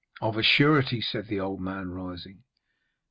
'Of a surety,' said the old man, rising.